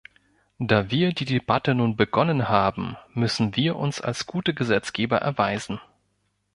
Da wir die Debatte nun begonnen haben, müssen wir uns als gute Gesetzgeber erweisen.